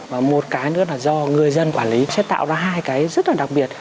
và một cái nữa là do người dân quản lý sẽ tạo ra hai cái rất là đặc biệt